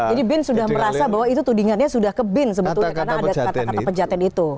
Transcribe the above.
jadi bin sudah merasa bahwa itu tudingannya sudah ke bin sebetulnya karena ada kata kata pejahatan itu